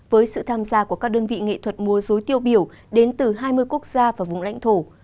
với sự tham gia của các đơn vị nghệ thuật mua dối tiêu biểu đến từ hai mươi quốc gia và vùng lãnh thổ